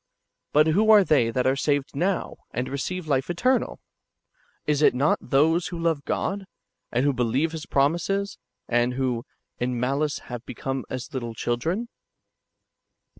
But who are they that are saved now, and receive life eternal ? Is it not those who love God, and who be lieve His promises, and who "■ in malice have become as little children?"